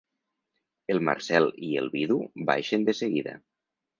El Marcel i el vidu baixen de seguida.